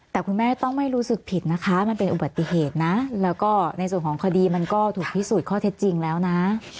แต่คุณแม่ต้องไม่รู้สึกผิดนะคะมันเป็นอุบัติเหตุนะแล้วก็ในส่วนของคดีมันก็ถูกพิสูจน์ข้อเท็จจริงแล้วนะ